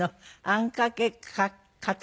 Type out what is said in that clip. あんかけかた